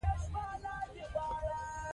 د دې نښې ساتنه زموږ وجیبه ده.